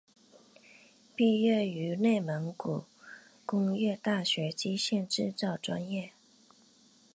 毕业于内蒙古工业大学机械制造专业。